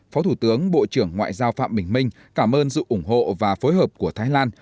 phó thủ tướng bộ trưởng ngoại giao phạm bình minh cảm ơn sự ủng hộ và phối hợp của thái lan